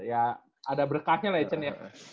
ya ada berkahnya lah ya cun ya